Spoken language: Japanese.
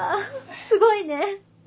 すごいね！